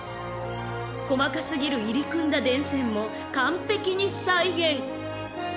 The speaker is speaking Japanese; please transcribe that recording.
［細か過ぎる入り組んだ電線も完璧に再現］